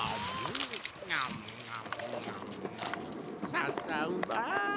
ささうま！